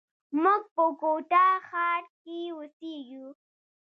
موږ په کوټه ښار کښي اوسېږي.